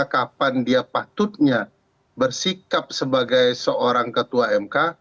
kapan dia patutnya bersikap sebagai seorang ketua mk